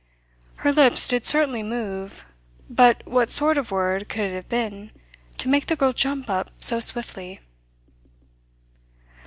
Her lips did certainly move. But what sort of word could it have been to make the girl jump up so swiftly?